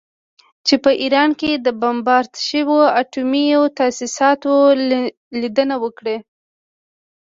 چې په ایران کې د بمبارد شویو اټومي تاسیساتو لیدنه وکړي